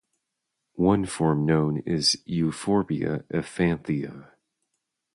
One form known is Euphorbia 'Efanthia'.